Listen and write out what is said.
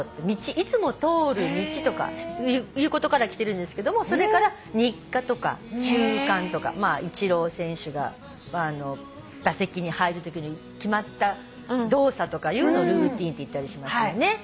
いつも通る道とかいうことからきてるんですけどもそれから日課とか習慣とかイチロー選手が打席に入るときに決まった動作とかいうのをルーティンって言ったりしますよね。